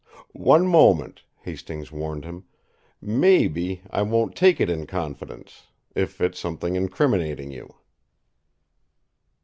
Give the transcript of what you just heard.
"One moment!" Hastings warned him. "Maybe, I won't take it in confidence if it's something incriminating you."